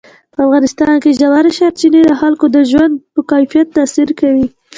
په افغانستان کې ژورې سرچینې د خلکو د ژوند په کیفیت تاثیر کوي.